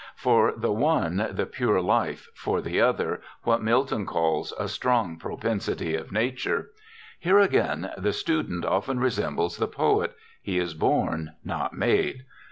For the one, the pure life; for the other, what Milton calls "a strong propensity of nature." Here again the student often resembles the poet he is born, not made.